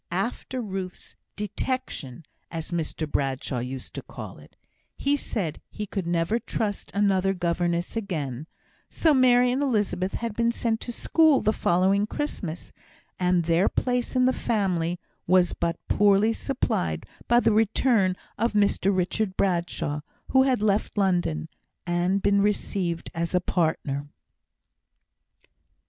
After Ruth's "detection," as Mr Bradshaw used to call it, he said he could never trust another governess again; so Mary and Elizabeth had been sent to school the following Christmas, and their place in the family was but poorly supplied by the return of Mr Richard Bradshaw, who had left London, and been received as a partner.